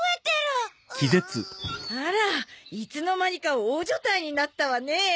うぅぅあらいつの間にか大所帯になったわね